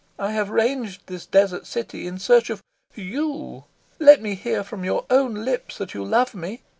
I have ranged this desert city in search of of YOU. Let me hear from your own lips that you love me.